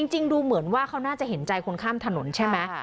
จริงดูเหมือนว่าเขาน่าจะเห็นใจคนข้ามถนนใช่ไหม